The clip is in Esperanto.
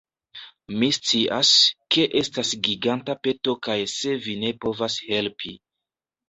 Mi scias, ke estas giganta peto kaj se vi ne povas helpi